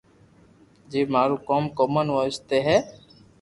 جيم مارو ڪوم ڪومن وائس تو ھي